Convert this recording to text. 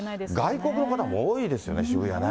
外国の方も多いですよね、渋谷ね。